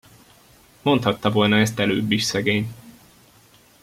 Mondhatta volna ezt előbb is szegény.